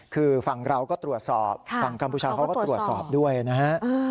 คือฝั่งเราก็ตรวจสอบฝั่งกัมพูชาเขาก็ตรวจสอบด้วยนะฮะ